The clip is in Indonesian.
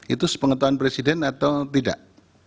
itu sepengetahuan presiden atau tidak